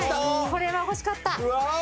これは欲しかった。